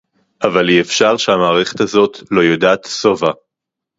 אבל אי-אפשר שהמערכת הזאת לא יודעת שובע